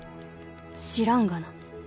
「知らんがな」